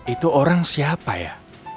itu orang siapa ya